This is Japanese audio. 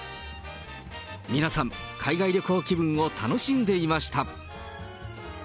皆さん、海外旅行気分を楽しんでいました。